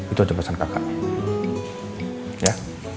itu aja pesan kakak ya